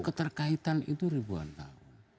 keterkaitan itu ribuan tahun